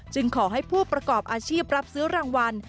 ขอให้ผู้ประกอบอาชีพรับซื้อรางวัล